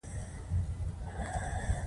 موږ کولای شو د اضافي ارزښت بیه ترلاسه کړو